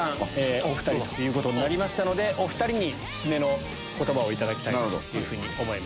お２人ということになりましたのでお２人に締めの言葉を頂きたいというふうに思います。